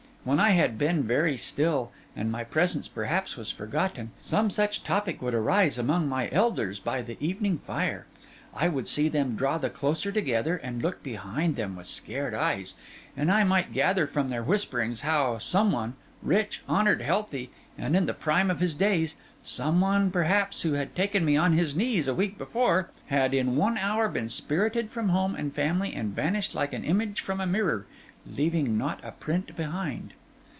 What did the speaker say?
When I had been very still, and my presence perhaps was forgotten, some such topic would arise among my elders by the evening fire; I would see them draw the closer together and look behind them with scared eyes; and I might gather from their whisperings how some one, rich, honoured, healthy, and in the prime of his days, some one, perhaps, who had taken me on his knees a week before, had in one hour been spirited from home and family, and vanished like an image from a mirror, leaving not a print behind.